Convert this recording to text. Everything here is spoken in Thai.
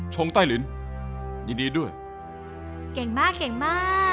ท้องไต้ลิ้นยินดีด้วยเก่งมากเก่งมาก